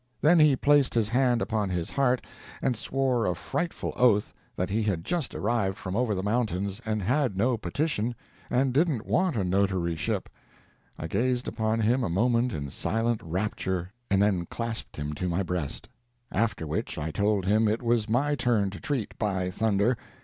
Then he placed his hand upon his heart, and swore a frightful oath that he had just arrived from over the mountains, and had no petition, and didn't want a notaryship. I gazed upon him a moment in silent rapture, and then clasped him to my breast. After which, I told him it was my turn to treat, by thunder.